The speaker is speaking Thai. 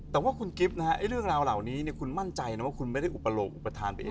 แต่ว่าคุณกิฟต์นะฮะเรื่องราวเหล่านี้คุณมั่นใจนะว่าคุณไม่ได้อุปโลกอุปทานไปเอง